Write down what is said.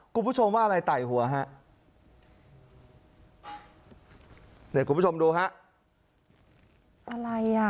คุณผู้ชมว่าอะไรไต่หัวฮะเนี่ยคุณผู้ชมดูฮะอะไรอ่ะ